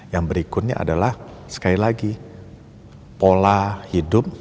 yang berikutnya adalah sekali lagi pola hidup